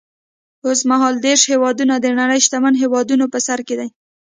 اوس مهال دېرش هېوادونه د نړۍ شتمنو هېوادونو په سر کې دي.